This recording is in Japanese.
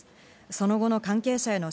その後の関係者への